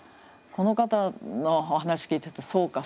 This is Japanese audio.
この方のお話聞いてるとそうか